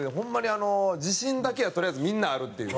あの自信だけはとりあえずみんなあるっていう。